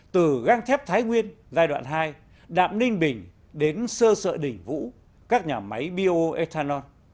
từ gang thép thái nguyên giai đoạn hai đạm ninh bình đến sơ sợ đỉnh vũ các nhà máy bio ethanol